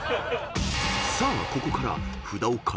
［さあここから］